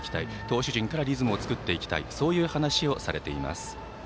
投手陣からリズムを作っていきたいそういう話をされています。